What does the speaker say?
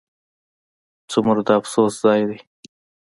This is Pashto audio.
ځومره د افسوس ځاي دي